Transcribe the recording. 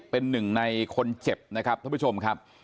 เป็นหนึ่งในคนเจ็บนะครับท่านผู้ชมครับ